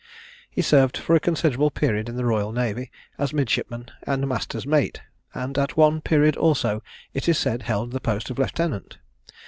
He served for a considerable period in the royal navy as midshipman and master's mate, and at one period also, it is said, held the post of lieutenant.